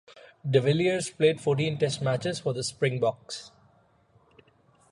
De Villiers played fourteen test matches for the Springboks.